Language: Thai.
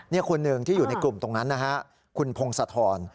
นี่คนหนึ่งที่อยู่ในกลุ่มตรงนั้นนะฮะคุณพงศธร